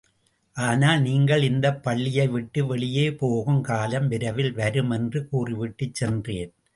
ஆனால் நீங்கள் இந்தப் பள்ளியை விட்டு வெளியே போகும் காலம் விரைவில் வரும் என்று கூறிவிட்டுச் சென்றேன்.